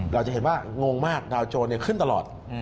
เราจะเห็นว่างงมากดาวโจรขึ้นตลอด